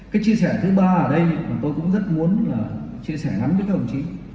cái chia sẻ thứ ba ở đây tôi cũng rất muốn chia sẻ lắm với các đồng chí